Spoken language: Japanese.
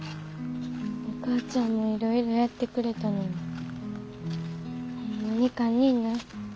お母ちゃんもいろいろやってくれたのにホンマに堪忍な。